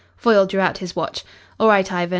Foyle drew out his watch. "All right, Ivan.